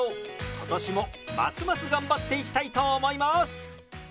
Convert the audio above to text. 今年もますます頑張っていきたいと思います！